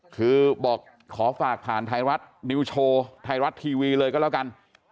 คือบอกขอฝากผ่านไทยรัฐนิวโชว์ไทยรัฐทีวีเลยก็แล้วกัน